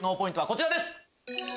こちらです。